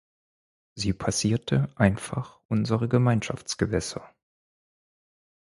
Sie passierte einfach unsere Gemeinschaftsgewässer.